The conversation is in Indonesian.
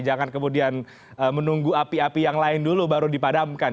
jangan kemudian menunggu api api yang lain dulu baru dipadamkan